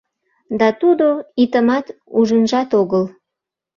Да тудо итымат ужынжат огыл.